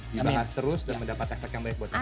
dibahas terus dan mendapat efek yang baik buat kita